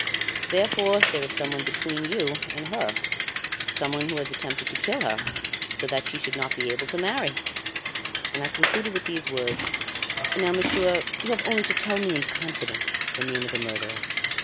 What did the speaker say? Therefore there is someone between you and her someone who is preventing your marriage with her someone who has attempted to kill her, so that she should not be able to marry!' And I concluded with these words: 'Now, monsieur, you have only to tell me in confidence the name of the murderer!